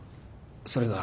それが。